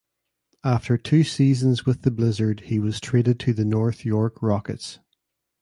After two seasons with the Blizzard he was traded to the North York Rockets.